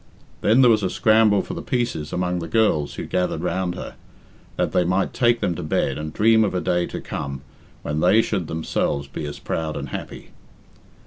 Then there was a scramble for the pieces among the girls who gathered round her, that they might take them to bed and dream of a day to come when they should themselves be as proud and happy.